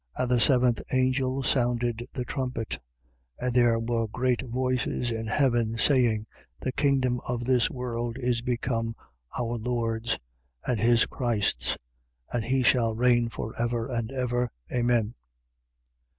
11:15. And the seventh angel sounded the trumpet: and there were great voices in heaven, saying: The kingdom of this world is become our Lord's and his Christ's, and he shall reign for ever and ever. Amen.